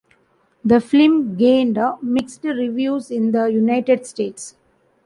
The film gained mixed reviews in the United States.